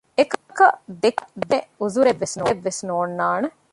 އެކަމަކަށް ދެއްކޭނޭ ޢުޛުރެއް ވެސް ނޯންނާނެ